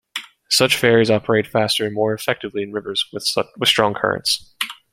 Such ferries operate faster and more effectively in rivers with strong currents.